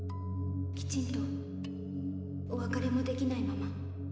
きちんとお別れもできないまま。